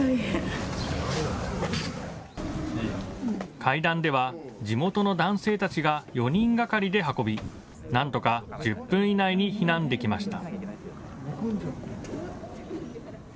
階段では地元の男性たちが４人がかりで運び、なんとか１０分以内に避難できました。